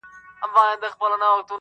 نو ښکلی دی